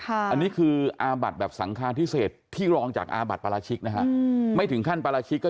อันนี้คือบัตรแบบสังคาที่เศษพี่รองจากบัตรปารชิก